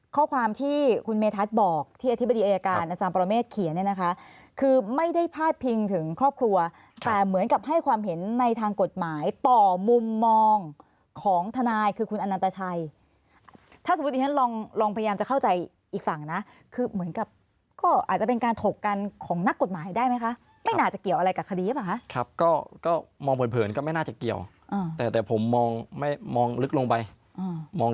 ข้อความที่คุณเมธัศน์บอกที่อธิบดีอายการอาจารย์ปรเมฆเขียนเนี่ยนะคะคือไม่ได้พาดพิงถึงครอบครัวแต่เหมือนกับให้ความเห็นในทางกฎหมายต่อมุมมองของทนายคือคุณอนันตชัยถ้าสมมุติฉันลองพยายามจะเข้าใจอีกฝั่งนะคือเหมือนกับก็อาจจะเป็นการถกกันของนักกฎหมายได้ไหมคะไม่น่าจะเกี่ยวอะไรกับคดีหรือเปล่าคะ